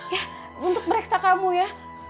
ya untuk periksa kamu ya